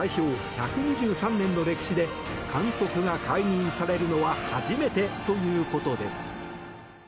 １２３年の歴史で監督が解任されるのは初めてということです。